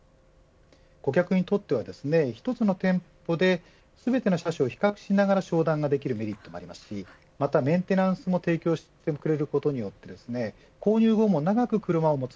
顧客にとっては１つの店舗で全ての車種を比較しながら商談ができるメリットがありますしまたメンテナンスも提供してくれることによって購入後も長く車を持つ